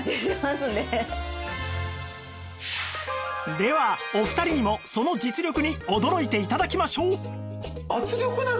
ではお二人にもその実力に驚いて頂きましょう